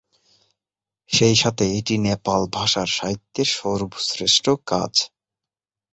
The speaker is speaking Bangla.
সেই সাথে এটি নেপাল ভাষার সাহিত্যের সর্বশ্রেষ্ঠ কাজ।